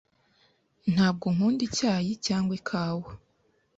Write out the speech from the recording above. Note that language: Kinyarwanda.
Ntabwo nkunda icyayi cyangwa ikawa.